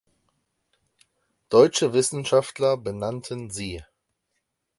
Deutsche Wissenschaftler benannten sie.